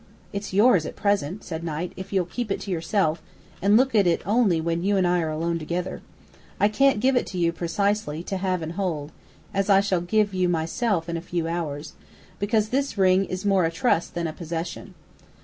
"It's yours at present," said Knight, "if you'll keep it to yourself, and look at it only when you and I are alone together. I can't give it to you, precisely, to have and to hold (as I shall give you myself in a few hours), because this ring is more a trust than a possession.